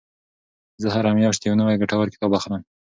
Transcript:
زه هره میاشت یو نوی ګټور کتاب اخلم.